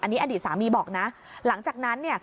อันนี้อดีตสามีบอกนะหลังจากนั้นเนี่ย